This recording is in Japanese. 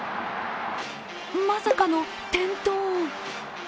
まさかの転倒。